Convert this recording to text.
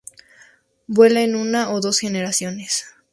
Vuela en una o dos generaciones.